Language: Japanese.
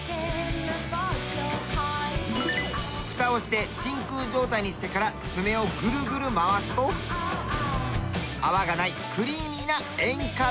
ふたをして真空状態にしてから爪をぐるぐる回すと泡がないクリーミーな塩化ビニルに。